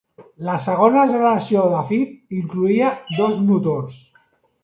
La segona generació de Fit incloïa dos motors.